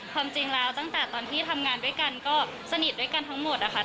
ความจริงแล้วตั้งแต่ตอนที่ทำงานด้วยกันก็สนิทด้วยกันทั้งหมดนะคะ